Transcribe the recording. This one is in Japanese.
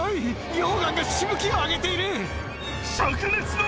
溶岩がしぶきを上げている！